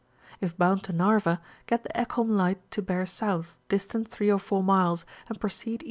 If bound to Narva, get the Ekholm Light to bear South, distant 3 or 4 miles, and proceed E.